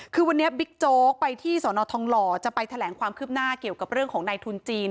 คือวันนี้บิ๊กโจ๊กไปที่สอนอทองหล่อจะไปแถลงความคืบหน้าเกี่ยวกับเรื่องของในทุนจีน